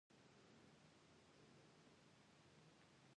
که ذکر وکړو نو مایوسي نه راځي.